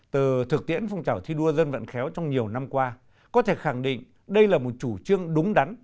từ thực tiễn phong trào thi đua dân vận khéo trong nhiều năm qua có thể khẳng định đây là một chủ trương đúng đắn